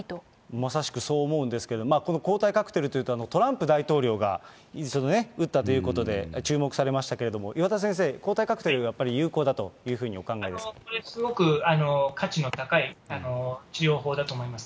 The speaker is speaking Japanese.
まさしくそう思うんですけれども、この抗体カクテルというと、トランプ大統領が打ったということで、注目されましたけど、岩田先生、抗体カクテルやっぱりこれ、すごく価値の高い治療法だと思います。